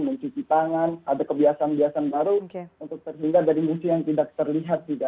mencuci tangan ada kebiasaan kebiasaan baru untuk terhindar dari musuh yang tidak terlihat juga